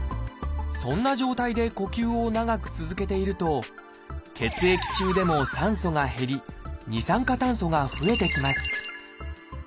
そんな状態で呼吸を長く続けていると血液中でも酸素が減り二酸化炭素が増えてきます。